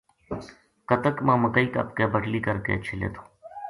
کتک ما مکئی کپ کے بٹلی کر کے چھلے تھو